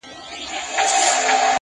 ما چي توبه وکړه اوس ناځوانه راته و ویل،